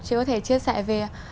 chị có thể chia sẻ về